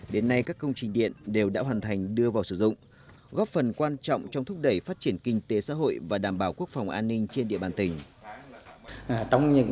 đến nay các công trình điện đều đã hoàn thành đưa vào sử dụng góp phần quan trọng trong thúc đẩy phát triển kinh tế xã hội và đảm bảo quốc phòng an ninh trên địa bàn tỉnh